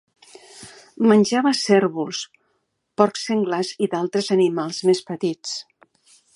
Menjava cérvols, porcs senglars i d'altres animals més petits.